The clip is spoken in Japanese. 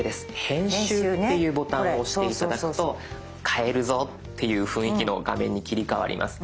編集っていうボタンを押して頂くと変えるぞっていう雰囲気の画面に切り替わります。